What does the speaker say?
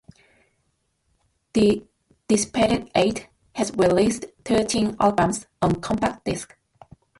The Dissipated Eight has released thirteen albums on Compact Disc.